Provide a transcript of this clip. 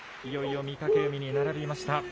いよいよ御嶽海に並びました。